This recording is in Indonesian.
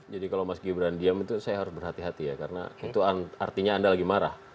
jadi kalau mas gibran diam itu saya harus berhati hati ya karena itu artinya anda lagi marah